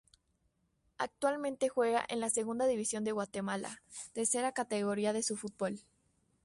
Actualmente juega en la Segunda División de Guatemala, tercera categoría de su fútbol.